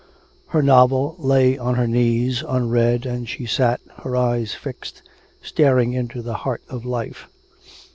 Her novel lay on her knees unread, and she sat, her eyes fixed, staring into the heart of life.